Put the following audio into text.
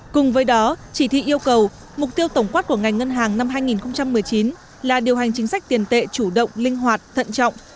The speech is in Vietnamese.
cùng với đó chỉ thị yêu cầu mục tiêu tổng quát của ngành ngân hàng năm hai nghìn một mươi chín là điều hành chính sách tiền tệ chủ động linh hoạt thận trọng